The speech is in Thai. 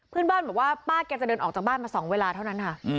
เพื่อนบ้านบอกว่าป้าแกจะเดินออกจากบ้านมา๒เวลาเท่านั้นค่ะ